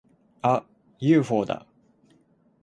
あっ！ユーフォーだ！